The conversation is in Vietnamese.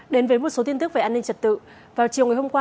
đến với một số tin tức về an ninh trật tự vào chiều ngày hôm qua